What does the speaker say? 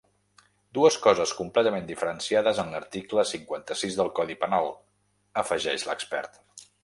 “Dues coses completament diferenciades en l’article cinquanta-sis del codi penal”, afegeix l’expert.